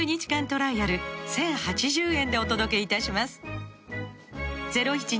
トライアル１０８０円でお届けいたします